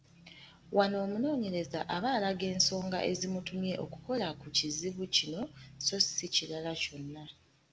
Wano omunoonyereza aba alaga ensonga ezimutumye okukola ku kizibu kino so si kirala kyonna.